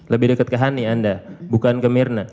lebih dekat ke hani anda bukan ke mirna